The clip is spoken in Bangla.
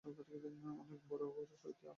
অনেক বড়ো ঘর হইতে আমার সম্বন্ধ আসিয়াছিল।